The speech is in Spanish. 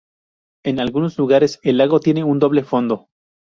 En algunos lugares, el lago tiene un doble fondo.